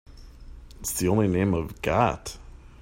It's the only name I've got.